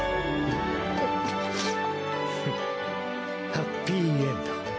ハッピーエンド。